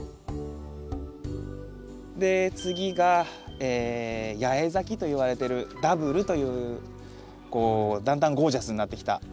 で次が八重咲きといわれてるダブルというこうだんだんゴージャスになってきた。